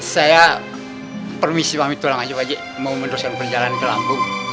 saya permisi pak haji mau meneruskan perjalanan ke lambung